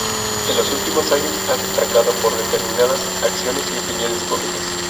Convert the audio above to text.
En los últimos años, ha destacado por determinadas acciones y opiniones públicas.